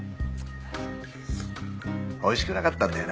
おいしくなかったんだよ